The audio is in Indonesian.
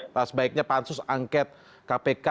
atau sebaiknya pansus anggit kpk